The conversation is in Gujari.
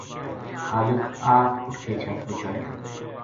خالق آپ اُٹھ کے چھَت پو چڑھ گیو